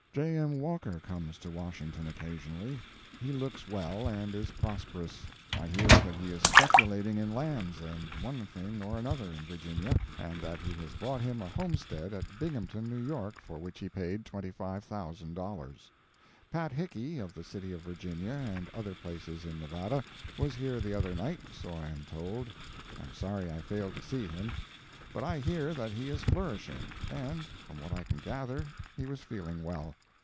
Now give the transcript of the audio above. J. M. Walker comes to Washington occasionally. He looks well, and is prosperous. I hear that he is speculating in lands and one thing or another in Virginia, and that he has bought him a homestead at Binghamton, New York, for which he paid $25,000. Pat Hickey of the city of Virginia and other places in Nevada, was here the other night, so I am told. I am sorry I failed to see him. But I hear that he is flourishing, and, from what I can gather, he was feeling well.